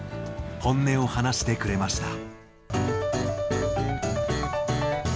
本音を話してくれました。